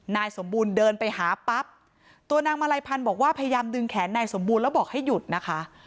นายสมบูรณ์เดินไปหาปั๊บตัวนางมาลัยพันธ์บอกว่าพยายามดึงแขนนายสมบูรณ์แล้วบอกให้หยุดนะคะ